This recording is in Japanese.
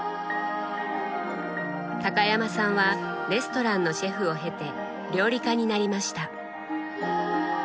高山さんはレストランのシェフを経て料理家になりました。